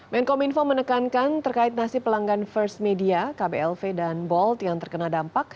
menkom info menekankan terkait nasib pelanggan first media kblv dan bold yang terkena dampak